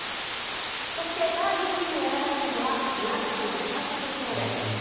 そして、第１位に選ばれたのは宮崎の高千穂峡です。